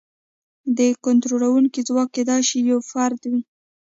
دا کنټرولونکی ځواک کېدای شي یو فرد وي.